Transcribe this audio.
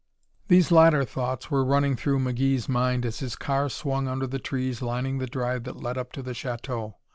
These latter thoughts were running through McGee's mind as his car swung under the trees lining the drive that led up to the chateau.